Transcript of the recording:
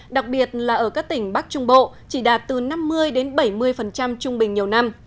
đặc biệt là ở các tỉnh bắc trung bộ chỉ đạt từ năm mươi đến bảy mươi trung bình nhiều năm